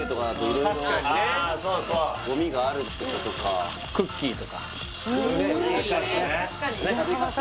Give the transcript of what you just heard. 色々ゴミがあるってことかクッキーね・